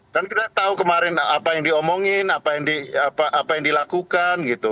dan kita tahu kemarin apa yang diomongin apa yang dilakukan gitu